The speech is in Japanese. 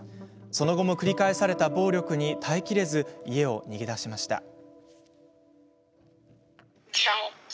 その後も繰り返された暴力に耐え切れず、家を逃げ出しました。